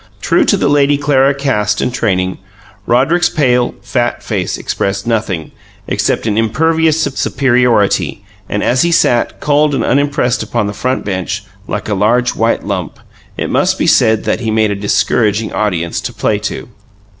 True to the Lady Clara caste and training, Roderick's pale, fat face expressed nothing except an impervious superiority and, as he sat, cold and unimpressed upon the front bench, like a large, white lump, it must be said that he made a discouraging audience "to play to."